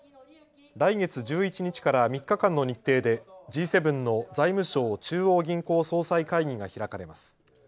来月１１日から３日間の日程でＧ７の財務相・中央銀行総裁会議が開かれます。